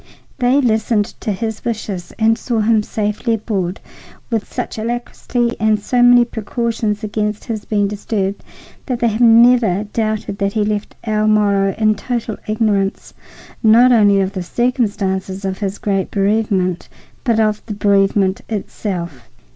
They listened to his wishes and saw him safely aboard, with such alacrity and with so many precautions against his being disturbed that they have never doubted that he left El Moro in total ignorance, not only of the circumstances of his great bereavement, but of the bereavement itself.